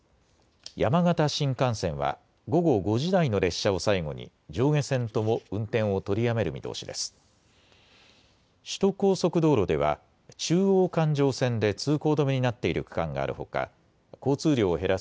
山形新幹線は午後５時台の列車を最後に上下線とも運転を取りやめる見通しです。